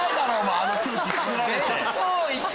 あの空気つくられて。